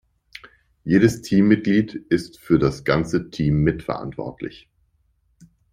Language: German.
Jedes Teammitglied ist für das ganze Team mitverantwortlich.